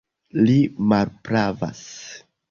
Li malpravas!